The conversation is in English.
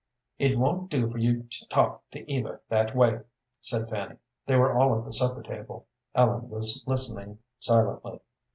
"It won't do for you to talk to Eva that way," said Fanny. They were all at the supper table. Ellen was listening silently.